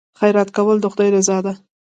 خیرات کول د خدای رضا ده.